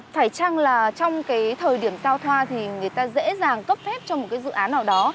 phải chăng là trong thời điểm sao thoa thì người ta dễ dàng cấp phép cho một dự án nào đó